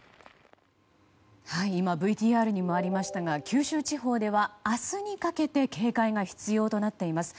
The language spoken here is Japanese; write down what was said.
今ＶＴＲにもありましたが九州地方では明日にかけて警戒が必要となっています。